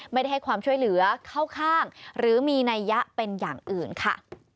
ไม่ได้ให้ความช่วยเหลือเข้าข้างหรือมีนัยยะเป็นอย่างอื่นค่ะ